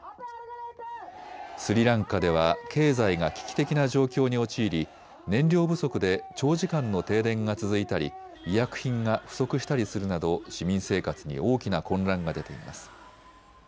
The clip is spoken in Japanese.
スリランカでは経済が危機的な状況に陥り燃料不足で長時間の停電が続いたり医薬品が不足したりするなど市民生活に大きな混乱が出ています。